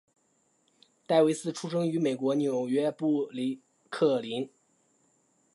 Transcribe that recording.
戴维斯出生于美国纽约布鲁克林。